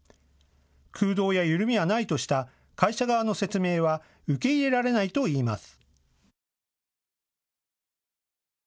空洞や緩みはないとした会社側の説明は受け入れられないといいます。